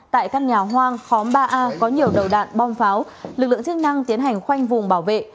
tại căn nhà hoang khóm ba a có nhiều đầu đạn bom pháo lực lượng chức năng tiến hành khoanh vùng bảo vệ